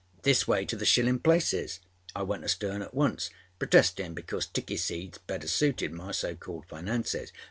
This way to the shillinâ places!â I went astern at once, protestinâ because tickey seats better suited my so called finances.